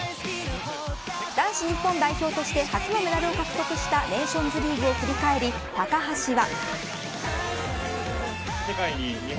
男子日本代表として初のメダルを獲得したネーションズリーグを振り返り高橋は。